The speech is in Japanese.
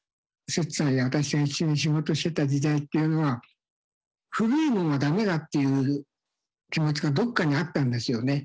摂さんや私が一緒に仕事してた時代っていうのは古いものはダメだっていう気持ちがどっかにあったんですよね。